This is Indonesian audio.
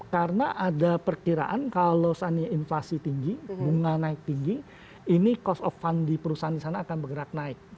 karena ada perkiraan kalau inflasi tinggi bunga naik tinggi ini cost of fund di perusahaan di sana akan bergerak naik